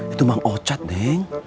itu emang ocat deng